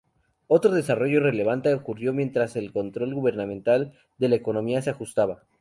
Otro desarrollo relevante ocurrió mientras el control gubernamental de la economía se ajustaba.